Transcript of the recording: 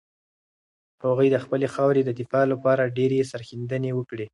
هغوی د خپلې خاورې د دفاع لپاره ډېرې سرښندنې وکړې.